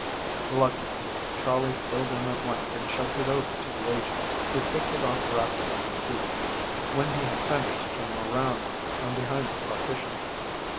Reluctantly Charley filled in a blank and shoved it over to the agent, who clicked it off rapidly on the key. When he had finished he came around from behind the partition.